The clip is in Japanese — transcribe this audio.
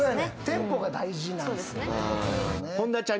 テンポが大事なんですよね。